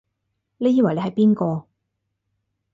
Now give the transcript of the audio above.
你以為你係邊個？